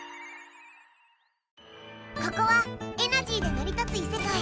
ここはエナジーでなり立ついせかい。